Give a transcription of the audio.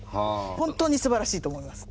本当にすばらしいと思います。